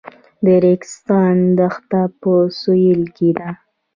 د ریګستان دښته په سویل کې ده